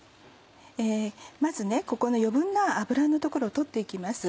まずここの余分な脂の所を取って行きます。